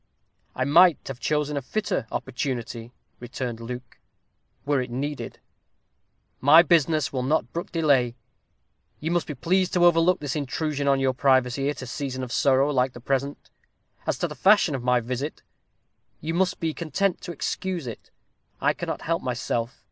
"I might have chosen a fitter opportunity," returned Luke, "were it needed. My business will not brook delay you must be pleased to overlook this intrusion on your privacy, at a season of sorrow like the present. As to the fashion of my visit, you must be content to excuse it. I cannot help myself.